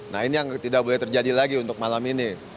nah ini yang tidak boleh terjadi lagi untuk malam ini